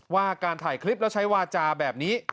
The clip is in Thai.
ว่าการถ่ายคลิปแล้วใช้วาจาแบบนี้